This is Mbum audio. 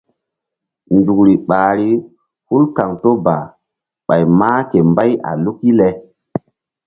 Nzukri ɓahri hul kaŋto ba ɓay mah ke mbay a luk le.